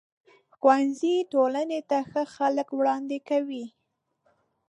ښوونځی ټولنې ته ښه خلک وړاندې کوي.